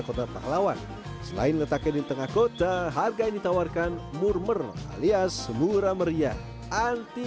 kota paklawan selain letakkan ditengah kota harga yang ditawarkan mir now liats murah meriah anti